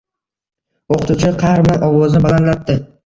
O‘qituvchi qahr bilan ovozini balandlatdi.